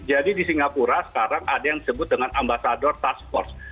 jadi di singapura sekarang ada yang disebut dengan ambasador task force